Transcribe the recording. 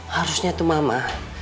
harusnya tuh mama